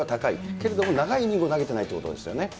けれども長いイニングを投げていないということですよね。